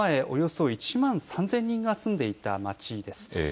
およそ１万３０００人が住んでいた町です。